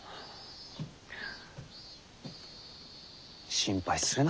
心配するな。